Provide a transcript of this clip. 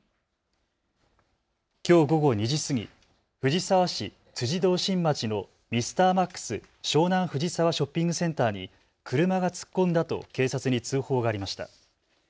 きょう午後２時過ぎ藤沢市辻堂新町のミスターマックス湘南藤沢ショッピングセンターに車が突っ込んだと警察に通報がありました。